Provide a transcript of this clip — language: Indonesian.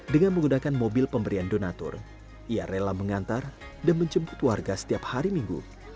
dengan menggunakan mobil pemberian donatur ia rela mengantar dan menjemput warga setiap hari minggu